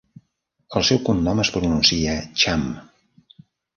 El seu cognom es pronuncia "Chahm".